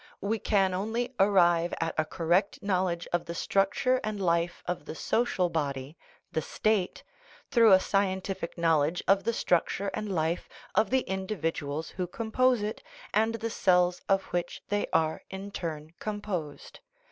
We can only ar rive at a correct knowledge of the structure and life of the social body, the state, through a scientific knowl edge of the structure and life of the individuals who compose it, and the cells of which they are in turn com posed.